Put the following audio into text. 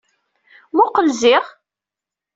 Mmuqqel ziɣ.